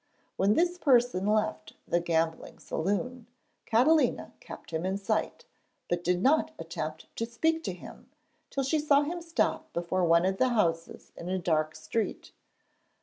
When this person left the gambling saloon, Catalina kept him in sight, but did not attempt to speak to him till she saw him stop before one of the houses in a dark street.